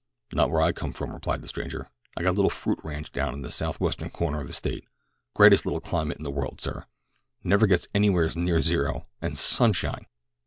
"Not where I come from," replied the stranger. "I got a little fruit ranch down in the South Western corner of the State. Greatest little climate in the world, sir; never gets anywheres near zero; and sunshine!